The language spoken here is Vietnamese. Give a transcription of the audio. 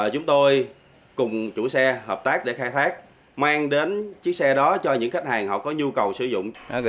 chúng tôi cùng chủ xe hợp tác để khai thác mang đến chiếc xe đó cho những khách hàng họ có nhu cầu sử dụng